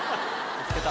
見つけた。